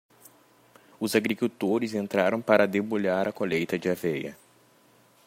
Os agricultores entraram para debulhar a colheita de aveia.